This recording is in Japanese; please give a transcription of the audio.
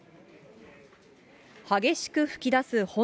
激しく噴き出す炎。